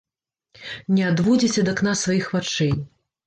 Не адводзіць ад акна сваіх вачэй.